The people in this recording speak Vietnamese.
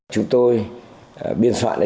chúng tôi biên soạn